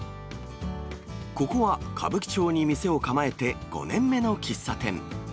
ここは歌舞伎町に店を構えて５年目の喫茶店。